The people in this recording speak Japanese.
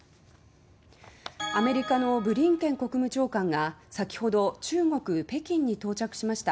アメリカのブリンケン国務長官が先ほど中国北京に到着しました。